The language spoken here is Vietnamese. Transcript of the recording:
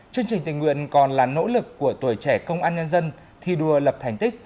chương trình tình nguyện còn là nỗ lực của tuổi trẻ công an nhân dân thi đua lập thành tích